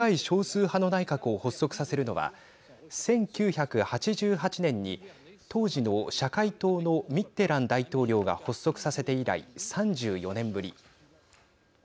フランスで議会少数派の内閣を発足させるのは１９８８年に当時の社会党のミッテラン大統領が発足させて以来３４年ぶり。